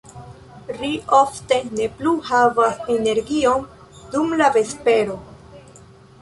Ri ofte ne plu havas energion dum la vespero.